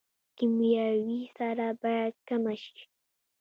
کیمیاوي سره باید کمه شي